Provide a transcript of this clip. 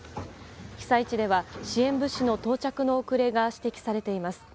被災地では支援物資の到着の遅れが指摘されています。